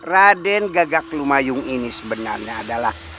raden gagak lumayung ini sebenarnya adalah